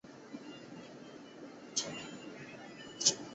修饰键在计算机领域指电脑键盘上的一些用于组合按键的特殊按键。